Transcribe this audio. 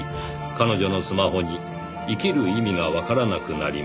彼女のスマホに“生きる意味がわからなくなりました”